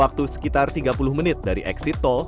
waktu sekitar tiga puluh menit dari eksit tol